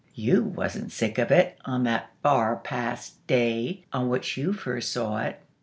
You wasn't sick of it, on that far past day on which you first saw it.